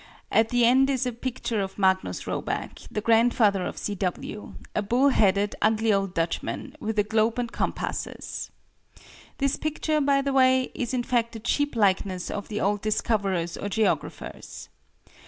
At the end is a picture of Magnus Roback, the grandfather of C. W., a bull headed, ugly old Dutchman, with a globe and compasses. This picture, by the way, is in fact a cheap likeness of the old discoverers or geographers.